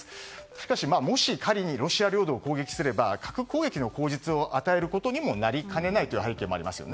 しかし、もし仮にロシア領土を攻撃すれば核攻撃の口実を与えることにもなりかねない背景もあります。